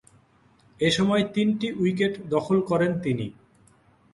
এ সময়ে তিনটি উইকেট দখল করেন তিনি।